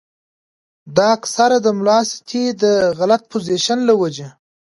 دا اکثر د ملاستې د غلط پوزيشن له وجې